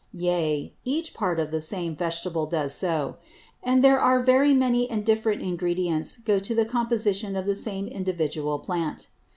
Yea, each Part of the same Vegetable does so; and there are very many and different Ingredients go to the Composition of the same individual Plant.